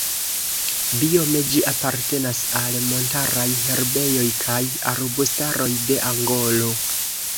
Biome ĝi apartenas al montaraj herbejoj kaj arbustaroj de Angolo.